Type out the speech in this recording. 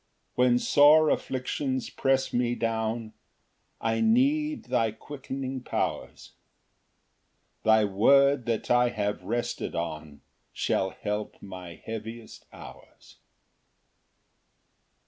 Ver. 107. 3 When sore afflictions press me down, I need thy quickening powers; Thy word that I have rested on shall help my heaviest hours.